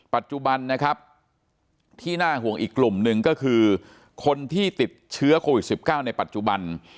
ปัจจุบันนะครับที่น่าห่วงอีกกลุ่มหนึ่งก็คือคนที่ติดเชื้อโควิด๑๙ในปัจจุบัน